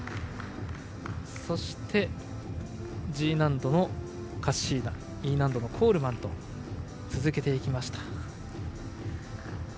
そして、Ｇ難度のカッシーナＥ難度のコールマンと続けていきました。